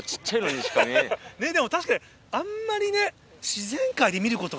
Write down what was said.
確かにあんまりね。